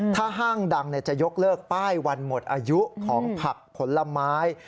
ถ้าห้างดังจะยกเลิกป้ายวันหมดอายุของผักผลไม้